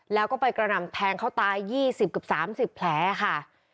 แล้วก็ไปกระหน่ำแทงเขาตาย๒๐กับ๓๐แผลค่ะ